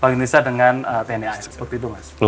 bank indonesia dengan tni angkatan laut